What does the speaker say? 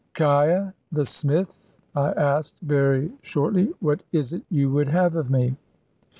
"'Kiah, the smith," I asked, very shortly, "what is it you would have of me?"